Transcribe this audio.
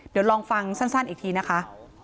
เดี๋ยวลองฟังสั้นอีกทีนะคะ